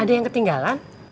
ada yang ketinggalan